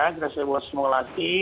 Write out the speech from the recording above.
kita sudah buat simulasi